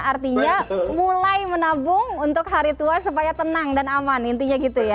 artinya mulai menabung untuk hari tua supaya tenang dan aman intinya gitu ya